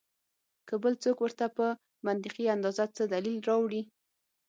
کۀ بل څوک ورته پۀ منطقي انداز څۀ دليل راوړي